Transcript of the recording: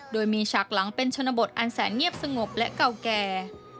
โดยมีฉากหลังเป็นชนบทอันแสนเงียบสงบและเก่าแก่